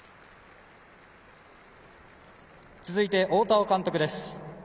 続いて大田尾監督です。